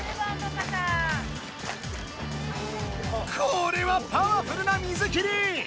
これはパワフルな水切り！